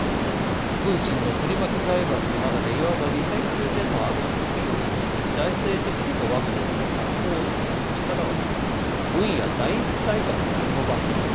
プーチンの取り巻き財閥の中でいわば二線級でもあるプリゴジン氏に財政的にもワグネルの活動を維持する力はなく軍や大財閥がそのバックにいると言われています。